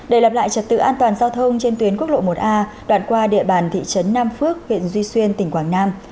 để lập lại trật tự an toàn giao thông trên tuyến quốc lộ một a đoạn qua địa bàn thị trấn nam phước huyện duy xuyên tỉnh quảng nam